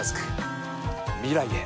未来へ。